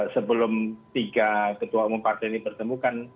sebelum tiga ketua umum partai ini bertemu kan